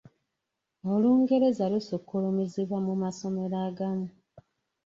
Olungereza lusukkulumizibwa mu masomero agamu.